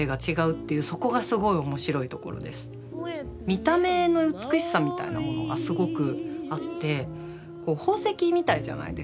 見た目の美しさみたいなものがすごくあって宝石みたいじゃないですか。